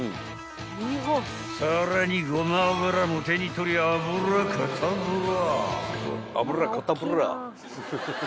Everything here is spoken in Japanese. ［さらにごま油も手に取りアブラカタブラ］